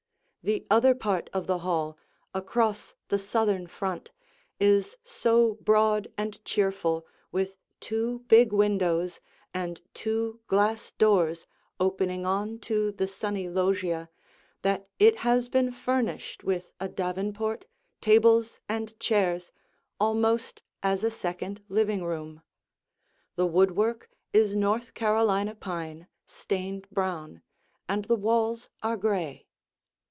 The other part of the hall, across the southern front, is so broad and cheerful with two big windows and two glass doors opening on to the sunny loggia that it has been furnished with a davenport, tables, and chairs almost as a second living room. The woodwork is North Carolina pine stained brown, and the walls are gray.